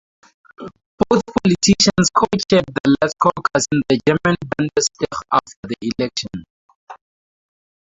Both politicians co-chaired The Left's caucus in the German Bundestag after the election.